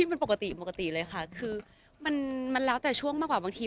เป็นปกติปกติเลยค่ะคือมันแล้วแต่ช่วงมากกว่าบางที